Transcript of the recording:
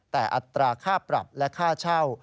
แต่อัตราค่าปรับและค่าเช่า